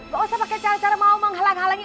gak usah pakai cara cara mau menghalangi